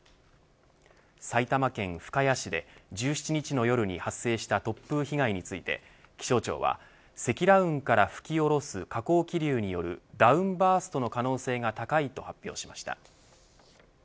埼玉県深谷市で１７日の夜に発生した突風被害について気象庁は積乱雲から吹き下ろす下降気流によるダウンバーストの可能性が高いと発表しました。